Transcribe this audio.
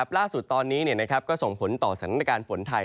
ล่าสุดตอนนี้ก็ส่งผลต่อสถานการณ์ฝนไทย